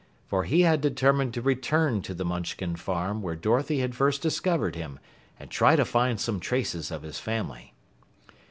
For he had determined to return to the Munchkin farm where Dorothy had first discovered him and try to find some traces of his family.